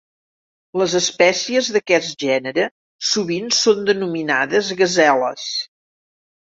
Les espècies d'aquest gènere sovint són denominades gaseles.